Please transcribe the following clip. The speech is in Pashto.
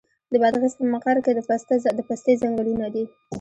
د بادغیس په مقر کې د پسته ځنګلونه دي.